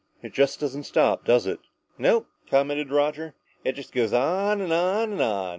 It just doesn't stop, does it?" "Nope," commented Roger, "it just goes on and on and on.